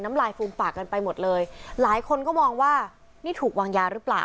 ลายฟูมปากกันไปหมดเลยหลายคนก็มองว่านี่ถูกวางยาหรือเปล่า